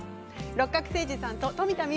六角精児さんと富田望